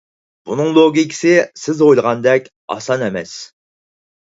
بۇنىڭ لوگىكىسى سىز ئويلىغاندەك ئاسان ئەمەس.